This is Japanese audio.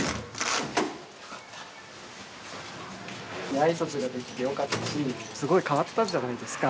挨拶ができてよかったしすごい変わったじゃないですか。